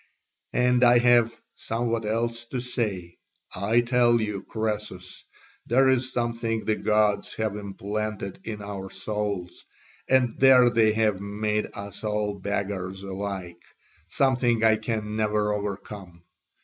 And I have somewhat else to say; I tell you, Croesus, there is something the gods have implanted in our souls, and there they have made us all beggars alike, something I can never overcome.